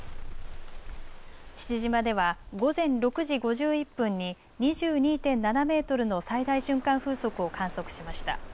父島では午前６時５１分に２２．７メートルの最大瞬間風速を観測しました。